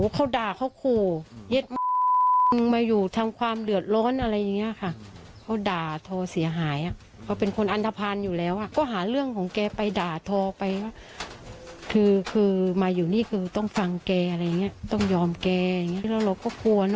ใจทำอะไรได้ใจยังสั่นอยู่ไว้ตอนให้สัมภาษณ์นี้ก็